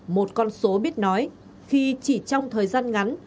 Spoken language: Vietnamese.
một con số biết nói khi chỉ trong thời gian ngắn